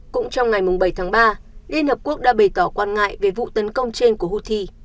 cũng trong ngày bảy tháng ba liên hợp quốc đã bày tỏ quan ngại về vụ tấn công trên của houthi